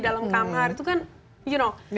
dalam kamar itu kan you know